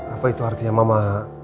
apa itu artinya mama